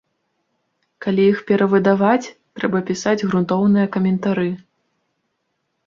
Калі іх перавыдаваць, трэба пісаць грунтоўныя каментары.